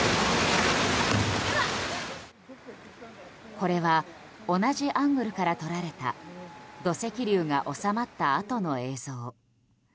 これは同じアングルから撮られた土石流が収まったあとの映像。